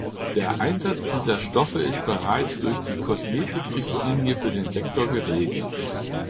Der Einsatz dieser Stoffe ist bereits durch die Kosmetikrichtlinie für den Sektor geregelt.